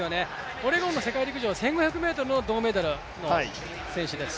オレゴンの世界陸上は１５００ｍの銅メダルの選手です。